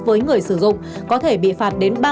với người sử dụng có thể bị phạt đến